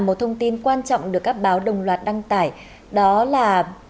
một thông tin quan trọng được các báo đồng loạt đăng tải đó là